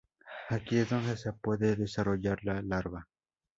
Aquí es donde se puede desarrollar la larva.